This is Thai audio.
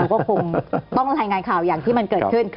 ก็คงต้องรายงานข่าวอย่างที่มันเกิดขึ้น